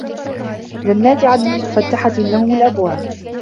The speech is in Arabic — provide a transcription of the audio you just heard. جَنّاتِ عَدنٍ مُفَتَّحَةً لَهُمُ الأَبوابُ